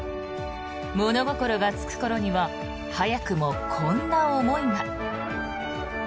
物心がつく頃には早くもこんな思いが。